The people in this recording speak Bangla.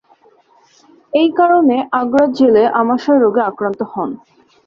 এই কারনে আগ্রা জেলে আমাশয় রোগে আক্রান্ত হন।